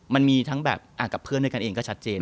มันมีทั้งแบบกับเพื่อนด้วยกันเองก็ชัดเจน